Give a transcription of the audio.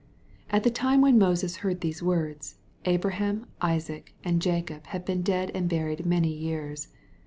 t the time when Moses heard these words, Abraham, Isaac, and Ja cob had been dead and buried many years.